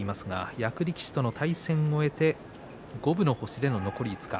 役力士との対戦を終えて五分の星での残り５日間